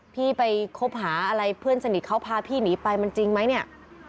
พี่ไปคบหาอะไรเพื่อนสนิทเขาพาพี่หนีไปมันจริงไหมเนี่ย